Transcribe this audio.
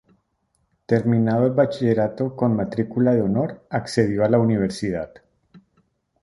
Terminado el bachillerato con matrícula de honor, accedió a la universidad.